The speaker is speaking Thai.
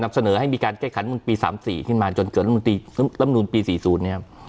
นับเสนอให้มีการแก้ขันมุมปี๓๔ขึ้นมาจนเกือบรำนูนปี๔๐เนี่ย